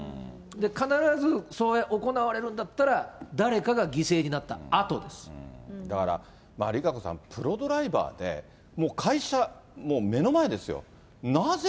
必ず行われるんだったら、だから、ＲＩＫＡＣＯさん、プロドライバーで、もう会社、もう目の前ですよ。